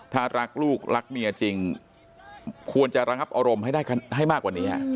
ถ้ารักลูกรักเมียจริงควรจะระงับอารมณ์ให้ได้ให้มากกว่านี้